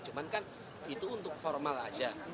cuman kan itu untuk formal aja